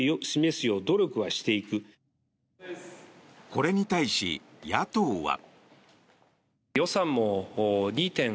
これに対し、野党は。